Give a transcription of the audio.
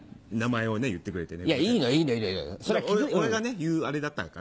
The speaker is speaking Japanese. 俺がね言うあれだったから。